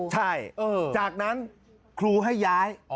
ใช่จากนั้นครูให้ย้าย